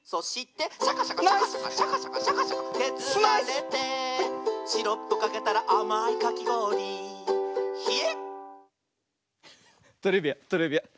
「シャカシャカシャカシャカシャカシャカシャカシャカけずられて」「シロップかけたらあまいかきごおりヒエっ！」トレビアントレビアン。